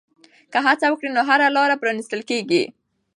که هڅه وکړې نو هره لاره پرانیستل کېږي.